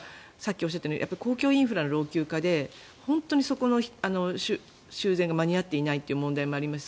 例えば、公共インフラの老朽化で本当にそこの修繕が間に合っていないという問題もありますし